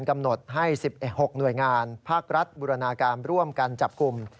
กำหนดให้๑๖หน่วยงานภาครัฐบุรณาการร่วมกันจับกลุ่ม